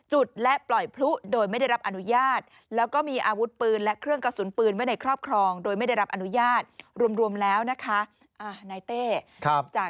โหโหโหโหโหโหโหโหโหโหโหโหโหโหโหโหโห